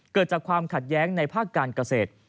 เกิดจากความขัดแย้งในภาคการเกษตร